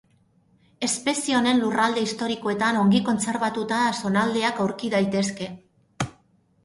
Espezie honen lurralde historikoetan ongi kontserbatuta zonaldeak aurki daitezke.